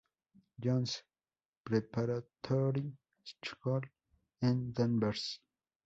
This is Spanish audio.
John's Preparatory School" en Danvers.